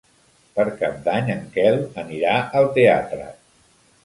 Per Cap d'Any en Quel anirà al teatre.